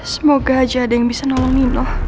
semoga aja ada yang bisa nolongin loh